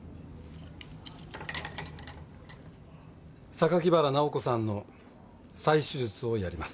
榊原直子さんの再手術をやります。